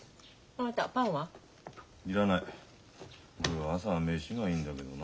僕は朝は飯がいいんだけどな。